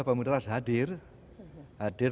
pemudara harus hadir